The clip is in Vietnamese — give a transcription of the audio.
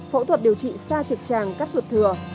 phẫu thuật điều trị xa trực tràng cắt ruột thừa